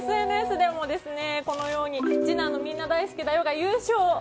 ＳＮＳでもこのように次男の「みんな大好きだよ」が優勝！